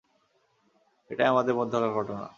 এটাই আমাদের মধ্যকার ঘটনা।